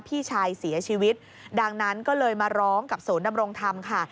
พี่ชายเสียชีวิตดังนั้นก็เลยมาร้องกับศูนย์ดำรงธรรมค่ะ